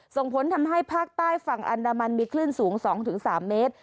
ส่งผลทำให้ภาคใต้ฝั่งอันดามันมีคลื่นสูง๒๓เมตร